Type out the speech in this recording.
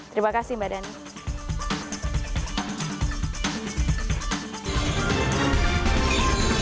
terima kasih mbak dhani